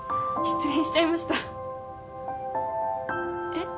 失恋しちゃいました？